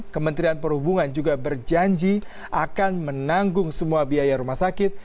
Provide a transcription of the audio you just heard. kementerian perhubungan juga berjanji akan menanggung semua biaya rumah sakit